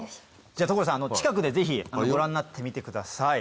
じゃあ所さん近くでぜひご覧になってみてください。